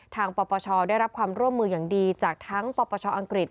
ปปชได้รับความร่วมมืออย่างดีจากทั้งปปชอังกฤษ